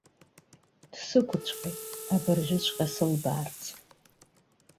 Дсықәцәҟьеит, абыржәыҵәҟьа сылбаарц.